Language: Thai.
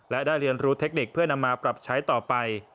และได้เรียนรู้เทคนิคเพื่อนำมาปรับใช้ต่อไป